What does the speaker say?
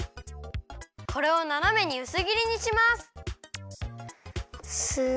これをななめにうすぎりにします。